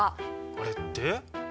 あれって？